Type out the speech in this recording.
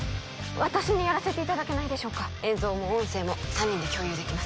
私にやらせていただけないでしょうか映像も音声も３人で共有できます